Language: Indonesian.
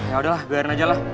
ya udah lah biarin aja lah